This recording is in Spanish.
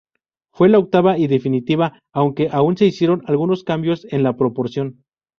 Fue la octava y definitiva, aunque aún se hicieron algunos cambios en la proporción.